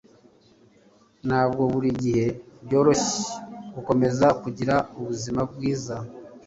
Ntabwo buri gihe byoroshye gukomeza kugira ubuzima bwiza